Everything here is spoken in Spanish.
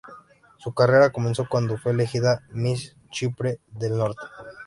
Su carrera comenzó cuando fue elegida miss Chipre del norte.